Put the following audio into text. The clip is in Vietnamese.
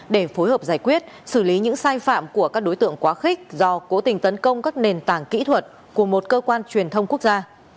để phối hợp giải quyết xử lý những sai phạm của các đối tượng quá khích do cố tình tấn công các nền tảng kỹ thuật của một cơ quan truyền thông quốc gia